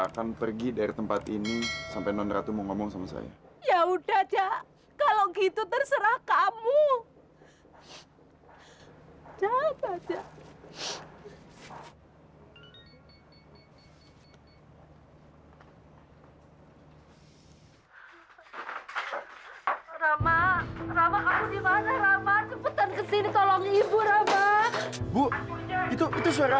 sampai jumpa di video selanjutnya